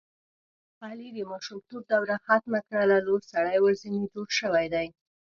علي د ماشومتوب دروه ختمه کړله لوی سړی ورځنې جوړ شوی دی.